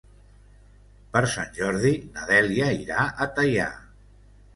Per Sant Jordi na Dèlia irà a Teià.